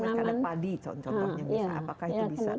seperti misalnya ada padi contohnya apakah itu bisa